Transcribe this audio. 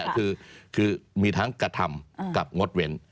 คือมีทั้งกระทำกับงดเว้น